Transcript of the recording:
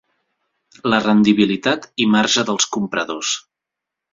La rendibilitat i marge dels compradors.